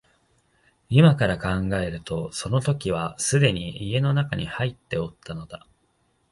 今から考えるとその時はすでに家の内に入っておったのだ